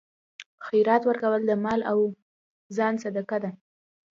خیرات ورکول د مال او ځان صدقه ده.